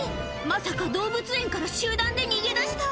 まさか動物園から集団で逃げ出した？